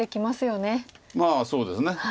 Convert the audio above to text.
まあそうですね。